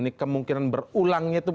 ini kemungkinan berulangnya itu